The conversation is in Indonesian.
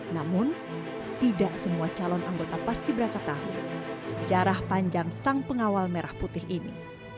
namun tidak semua calon anggota paski beraka tahu sejarah panjang sang pengawal merah putih ini